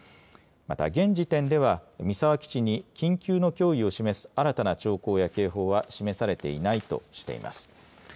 また現時点では三沢基地に緊急の脅威を示す新たな兆候や警報は示されていないとしています。